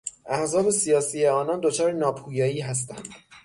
احزاب سیاسی آنان دچار ناپویایی هستند.